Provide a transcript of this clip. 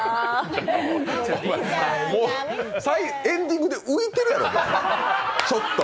エンディングで浮いてるやろ、ちょっと。